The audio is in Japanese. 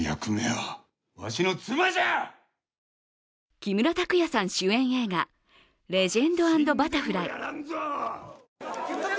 木村拓哉さん主演映画「レジェンド＆バタフライ」。